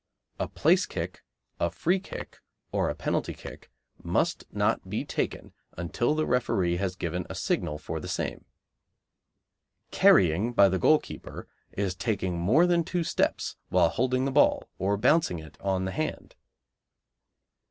A place kick, a free kick, or a penalty kick must not be taken until the referee has given a signal for the same. Carrying by the goalkeeper is taking more than two steps while holding the ball or bouncing it on the hand.